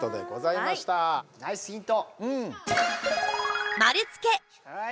ナイスヒント。